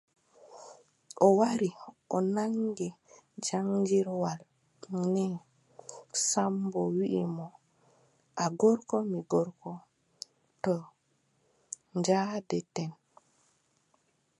O wari o naŋgi gaŋgirwal nii, Sammbo wiʼi mo : a gorko, mi gorko, toy njaadeten ?